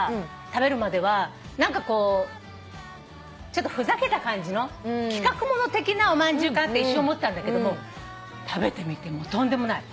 食べるまでは何かこうちょっとふざけた感じの企画物的なおまんじゅうかなって一瞬思ったんだけども食べてみてとんでもない。